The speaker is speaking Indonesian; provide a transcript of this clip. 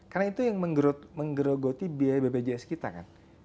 karena itu yang menggerogoti biaya bbjs kita kan